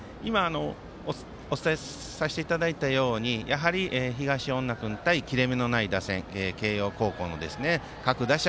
お伝えさせていただいたように東恩納君対切れ目のない慶応高校の打線。